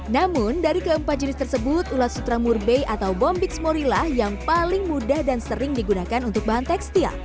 namun dari keempat jenis tersebut ulat sutra murbe atau bombix morilah yang paling mudah dan sering digunakan untuk bahan tekstil